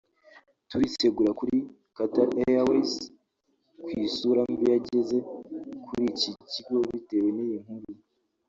turisegura kuri Qatar Airways ku isura mbi yageze kuri iki kigo bitewe n’iyi nkuru